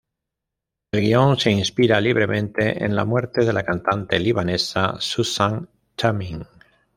El guion se inspira libremente en la muerte de la cantante libanesa Suzanne Tamim.